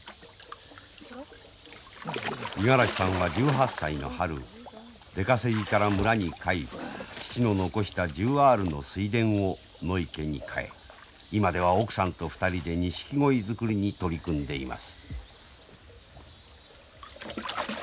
五十嵐さんは１８歳の春出稼ぎから村に帰り父の残した１０アールの水田を野池に変え今では奥さんと２人でニシキゴイ作りに取り組んでいます。